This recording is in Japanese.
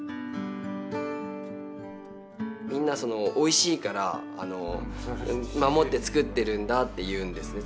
みんなおいしいから守って作ってるんだって言うんですね。